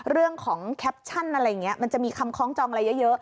เรื่องของแคปชันอะไรเงี้ยมันจะมีคำคร้องจองอะไรเยอะเยอะ